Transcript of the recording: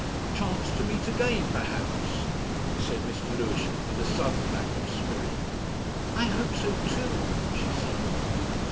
" chance to meet again, perhaps," said Mr. Lewisham, with a sudden lack of spirit. "I hope so too," she said.